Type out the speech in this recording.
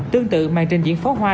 tương tự màn trình diễn phóng hoa